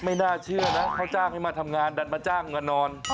ไม่น่าเชื่อนะเขาบอกมาจ้างมาทำงานมาจ้างกับอ่านอน